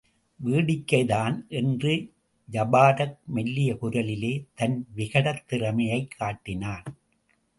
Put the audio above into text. வேடிக்கைதான் என்று ஜபாரக் மெல்லிய குரலிலே தன் விகடத்திறமையைக் காட்டினான்.